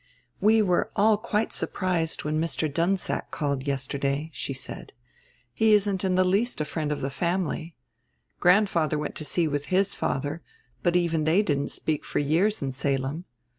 "We were all quite surprised when Mr. Dunsack called yesterday," she said. "He isn't in the least a friend of the family. Grandfather went to sea with his father, but even they didn't speak for years in Salem.